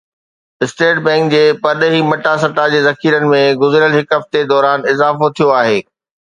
state bank جي پرڏيهي مٽاسٽا جي ذخيرن ۾ گذريل هڪ هفتي دوران اضافو ٿيو آهي